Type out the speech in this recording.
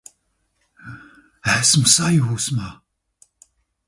Esmu sajūsmā!